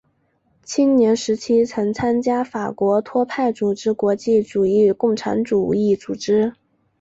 青年时期曾经参加法国托派组织国际主义共产主义组织。